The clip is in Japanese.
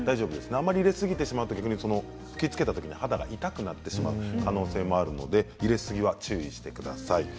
あまり入れすぎてしまうとつけた時に肌が痛くなってしまう可能性があるので入れすぎには注意してください。